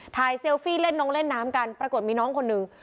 เซลฟี่เล่นน้องเล่นน้ำกันปรากฏมีน้องคนหนึ่ง